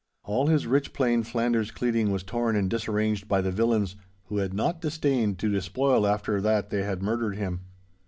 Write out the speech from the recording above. All his rich plain Flanders cleading was torn and disarranged by the villains, who had not disdained to despoil after that they had murdered him.